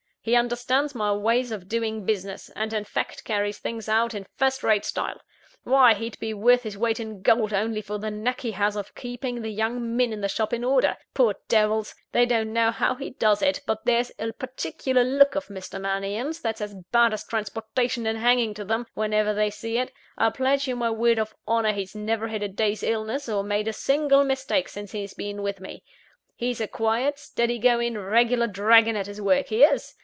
He understands my ways of doing business; and, in fact, carries things out in first rate style. Why, he'd be worth his weight in gold, only for the knack he has of keeping the young men in the shop in order. Poor devils! they don't know how he does it; but there's a particular look of Mr. Mannion's that's as bad as transportation and hanging to them, whenever they see it. I'll pledge you my word of honour he's never had a day's illness, or made a single mistake, since he's been with me. He's a quiet, steady going, regular dragon at his work he is!